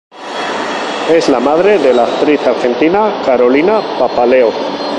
Es la madre de la actriz argentina Carolina Papaleo.